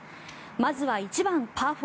まずは１番、パー